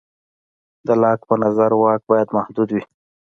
د لاک په نظر واک باید محدود وي.